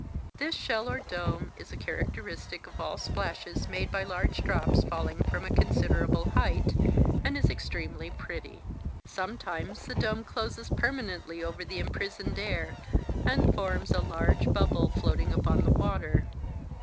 This shell or dome is a characteristic of all splashes made by large drops falling from a considerable height, and is extremely pretty. Sometimes the dome closes permanently over the imprisoned air, and forms a large bubble floating upon the water.